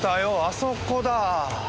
あそこだ。